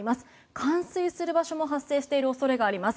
冠水する場所も発生している恐れがあります。